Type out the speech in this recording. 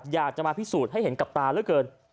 อยากจะมาพิสูจน์ให้เห็นกับตาเหลือเกิน